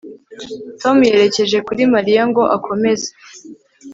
Tom yerekeje kuri Mariya ngo akomeze